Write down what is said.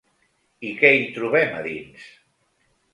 I que hi trobem a dins?